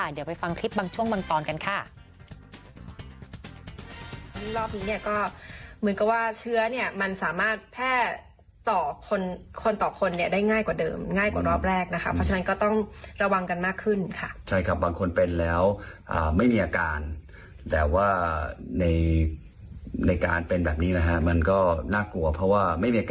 เดี๋ยวไปฟังคลิปบางช่วงบางตอนกันค่ะ